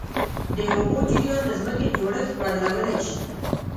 د اوبو جریان د ځمکې جوړښت بدلولی شي.